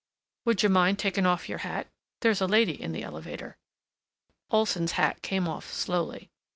"Would you mind taking off your hat? There's a lady in the elevator." Olson's hat came off slowly.